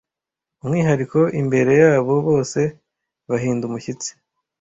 umwihariko imbere yabo bose bahinda umushyitsi